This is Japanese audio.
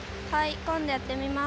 今度やってみます。